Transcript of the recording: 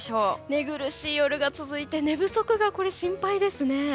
寝苦しい夜が続いて寝不足が心配ですね。